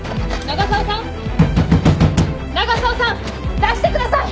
長澤さん出してください！